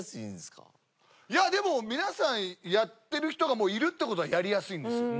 いやでも皆さんやってる人がいるっていう事はやりやすいんですよ